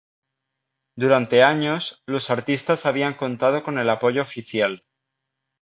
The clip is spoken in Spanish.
Durante años, los artistas habían contado con el apoyo oficial.